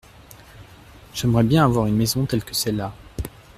J’aimerais bien avoir une maison telle que celle-là.